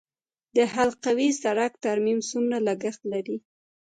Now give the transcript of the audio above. د حلقوي سړک ترمیم څومره لګښت لري؟